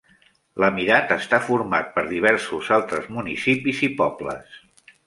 L'emirat està format per diversos altres municipis i pobles.